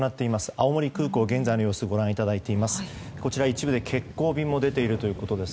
青森空港の現在の様子をご覧いただいています。